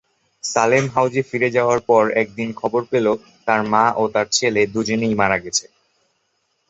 সালেম হাউসে ফিরে যাওয়ার পর একদিন সে খবর পেল, তার মা আর তার ছেলে দু'জনেই মারা গেছে।